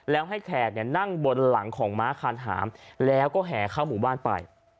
แล้วให้แขกนั่งบนหลังของม้าคานหามแล้วก็แห่เข้าหมู่บ้านไป